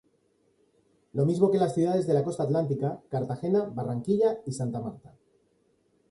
Lo mismo que las ciudades de la Costa Atlántica, Cartagena, Barranquilla y Santa Marta.